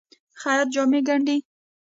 خیاط جامې ګنډي.